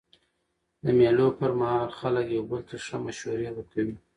د مېلو پر مهال خلک یو بل ته ښه مشورې ورکوي.